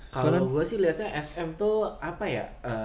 kalau gue sih liatnya sm tuh apa ya